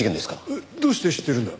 えっどうして知ってるんだ？